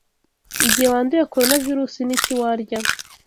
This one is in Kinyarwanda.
Igihe wanduye coronavirus niki warya?